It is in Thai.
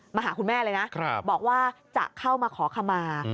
มาหาคุณแม่เลยนะบอกว่าจะเข้ามาขอขมา